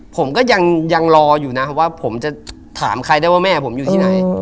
ผมก็ยังรออยู่นะว่าผมจะถามใครได้ว่าแม่ผมอยู่ที่ไหน